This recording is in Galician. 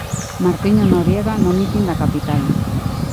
Martiño Noriega, no mitin da Capital.